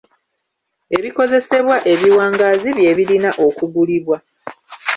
Ebikozesebwa ebiwangaazi bye birina okugulibwa.